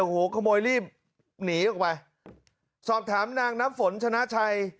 โอ้โหขโมยรีบหนีออกไปสอบถามนางน้ำฝนชนะชัย